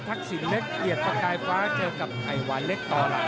ทักษิตเล็กเหยียดประกายฟ้าเจอกับไอวาเล็กต่อหลัง